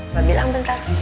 mbak bilang bentar